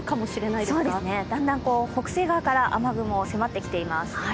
そうですね、だんだん北西側から雨雲、迫ってきています。